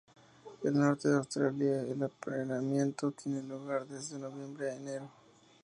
En el norte de Australia el apareamiento tiene lugar desde noviembre a enero.